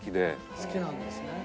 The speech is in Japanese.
好きなんですね。